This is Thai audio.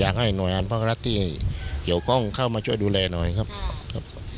อยากให้หน่วยงานภาครัฐที่เกี่ยวข้องเข้ามาช่วยดูแลหน่อยครับ